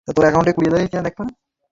বলল, ইনি মুহাম্মদের প্রথম সারির সাহাবী।